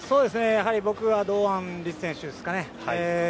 僕は堂安律選手ですかね。